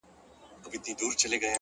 هره لاسته راوړنه له زحمت ځواک اخلي!